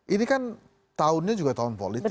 ini kan tahunnya juga tahun politik